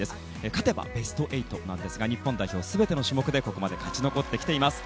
勝てばベスト８なんですが日本代表全ての種目でここまで勝ち残っています。